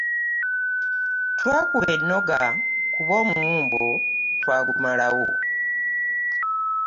Lwakuba ennoga kuba omuwumbo twagumalawo.